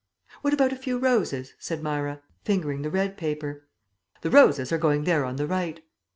"What about a few roses?" said Myra, fingering the red paper. "The roses are going there on the right."